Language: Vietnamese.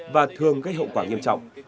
và thường gây hậu quả nghiêm trọng